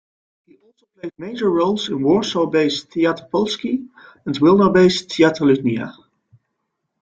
He also played major roles in Warsaw-based "Teatr Polski" and Wilno-based "Teatr Lutnia".